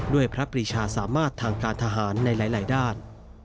ด้วยพระปริชาสามารถทางการทหารในหลายด้าน